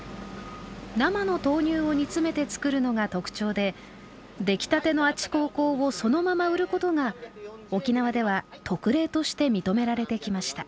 生の豆乳を煮詰めて作るのが特徴で出来たてのあちこーこーをそのまま売ることが沖縄では特例として認められてきました。